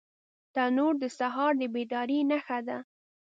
تنور د سهار د بیدارۍ نښه ده